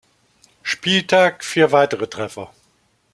Spieltag vier weitere Treffer.